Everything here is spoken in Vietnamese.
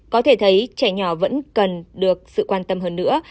có thể thấy trẻ nhỏ vẫn cần được sự quan tâm hơn nữa